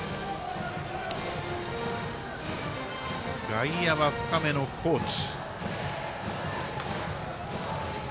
外野は深めの高知。